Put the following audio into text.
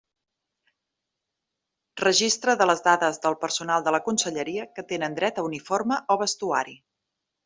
Registre de les dades del personal de la conselleria que tenen dret a uniforme o vestuari.